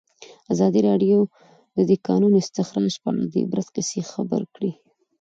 ازادي راډیو د د کانونو استخراج په اړه د عبرت کیسې خبر کړي.